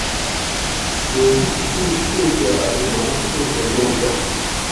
دھوبی اِیں پو کہ ارو ماۤں پو کہ ماس دہ